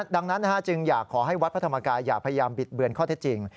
ดังนั้นจึงอยากขอให้วัดพระธรรมกายอย่าพยายามบิดเบือนข้อเท็จจริง